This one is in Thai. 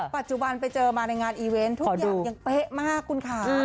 ปัจจุบันไปเจอมาในงานอีเวนต์ทุกอย่างยังเป๊ะมากคุณค่ะ